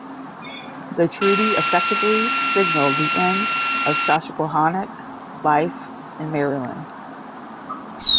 The treaty effectively signaled the end of Susquehannock life in Maryland.